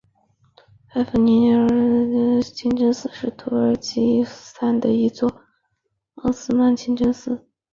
派蒂芙妮耶尔韦莱德苏丹清真寺是土耳其伊斯坦布尔的一座奥斯曼清真寺。